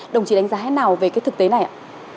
đồng chí đánh giá hay nào về cái thực tế này ạ